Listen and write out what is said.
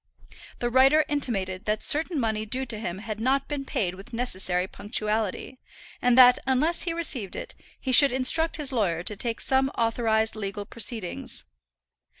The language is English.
The writer intimated that certain money due to him had not been paid with necessary punctuality, and that unless he received it, he should instruct his lawyer to take some authorized legal proceedings.